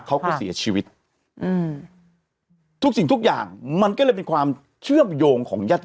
เขาก็เสียชีวิตอืมทุกสิ่งทุกอย่างมันก็เลยเป็นความเชื่อมโยงของญาติ